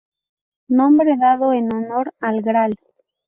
Nombre dado en honor al Gral.